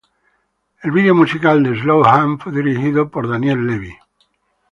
El vídeo musical de "Slow Hands" fue dirigido por Daniel Levi.